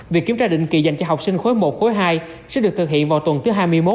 việc kiểm tra định kỳ dành cho học sinh khối một khối hai sẽ được thực hiện vào tuần thứ hai mươi một